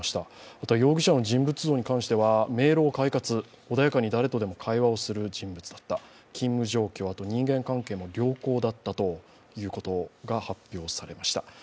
あと、容疑者の人物像に関しては、明朗快活、穏やかに誰とでも会話をする人物だった、勤務状況、人間関係も良好だったということが発表されました。